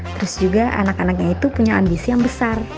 terus juga anak anaknya itu punya ambisi yang besar